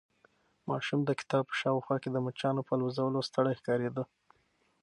ماشوم د کباب په شاوخوا کې د مچانو په الوزولو ستړی ښکارېده.